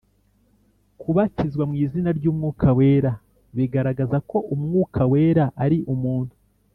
Kubatizwa mu izina ry’umwuka wera bigaragaza ko umwuka wera ari umuntu.